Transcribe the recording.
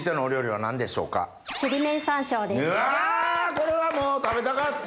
これはもう食べたかった。